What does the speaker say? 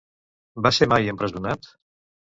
Va ser mai empresonat?